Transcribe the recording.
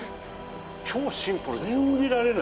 超シンプルですよ。